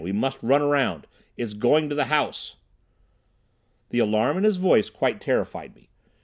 We must run around. It's going to the house!" The alarm in his voice quite terrified me.